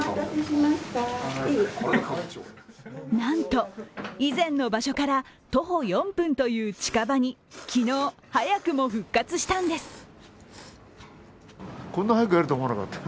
なんと、以前の場所から徒歩４分という近場に昨日、早くも復活したんです。